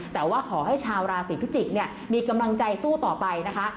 แต่ว่าขอให้ชาวราศีพิจิกษ์มีกำลังใจสู้ต่อไปนะคะ